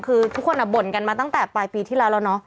คือทุกคนบ่นกันมาตั้งแต่ปลายปีที่แล้วแล้วเนาะ